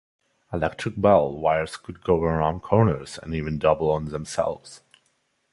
Electric bell wires could go around corners and even double on themselves.